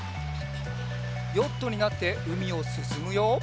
ヨットになってうみをすすむよ。